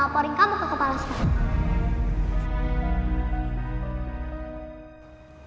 laporin kamu ke kepala sekolah